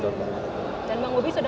dan bang wubi sudah merasakan hal itu ya